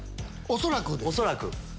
恐らく。